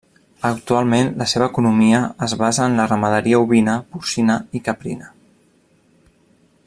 Actualment la seva economia es basa en la ramaderia ovina, porcina i caprina.